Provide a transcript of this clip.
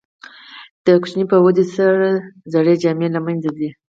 د ماشوم په ودې سره زړې جامې له منځه ځي.